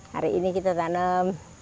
hari ini kita tanam tiga puluh